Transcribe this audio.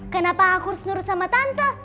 kenapa aku harus nurut sama tante